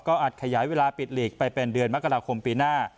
อาจขยายเวลาปิดหลีกไปเป็นเดือนมกราคมปีหน้า